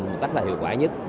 một cách là hiệu quả nhất